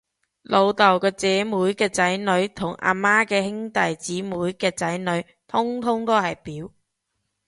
老豆嘅姐妹嘅仔女，同阿媽嘅兄弟姐妹嘅仔女，通通都係表